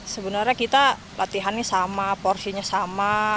sebenarnya kita latihannya sama porsinya sama